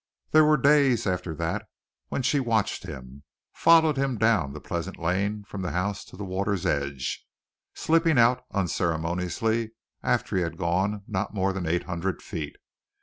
There were days after that when she watched him, followed him down the pleasant lane from the house to the water's edge, slipping out unceremoniously after he had gone not more than eight hundred feet.